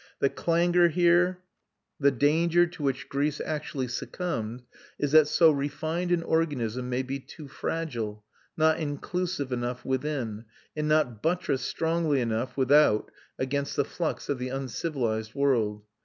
The clanger here, a danger to which Greece actually succumbed, is that so refined an organism may be too fragile, not inclusive enough within, and not buttressed strongly enough without against the flux of the uncivilised world.